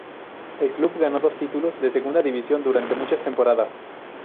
El club ganó dos títulos de segunda división durante muchas temporadas.